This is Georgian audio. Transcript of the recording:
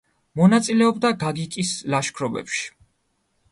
მონაწილეობდა გაგიკის ლაშქრობებში.